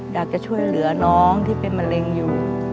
อยากจะช่วยเหลือน้องที่เป็นมะเร็งอยู่